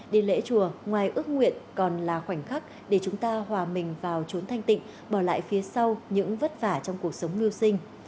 đi lễ chùa ngoài ước nguyện còn là khoảnh khắc để chúng ta hòa mình vào trốn thanh tịnh bỏ lại phía sau những vất vả trong cuộc sống mưu sinh